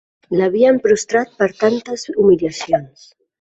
L'havien prostrat per tantes humiliacions.